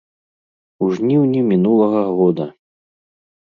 У жніўні мінулага года!